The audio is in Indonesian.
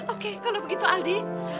oke kalau begitu aldi